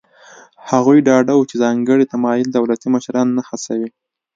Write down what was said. هغوی ډاډه وو چې ځانګړی تمایل دولتي مشران نه هڅوي.